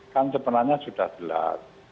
kan sebenarnya sudah jelas